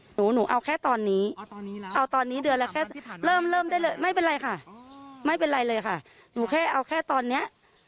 หนูหนูเอาแค่ตอนนี้เอาตอนนี้เดือนละแค่เริ่มเริ่มได้เลยไม่เป็นไรค่ะไม่เป็นไรเลยค่ะหนูแค่เอาแค่ตอนเนี้ย